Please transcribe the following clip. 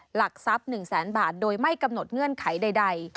หลักทรัพย์๑แสนบาทโดยไม่กำหนดเงื่อนไขใด